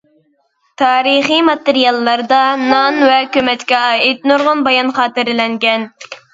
تارىخىي ماتېرىياللاردا نان ۋە كۆمەچكە ئائىت نۇرغۇن بايان خاتىرىلەنگەن.